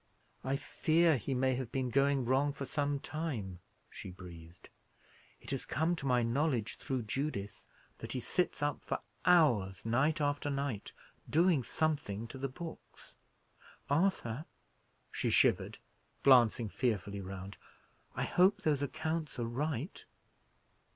"I fear he may have been going wrong for some time," she breathed. "It has come to my knowledge, through Judith, that he sits up for hours night after night, doing something to the books. Arthur," she shivered, glancing fearfully round, "I hope those accounts are right?"